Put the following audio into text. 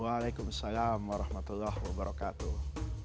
waalaikumsalam warahmatullahi wabarakatuh